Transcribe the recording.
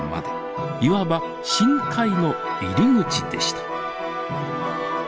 いわば深海の入り口でした。